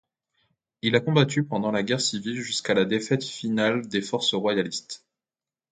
Il a combattu pendant la Guerre Civile jusqu'à la défaite finale des forces royalistes.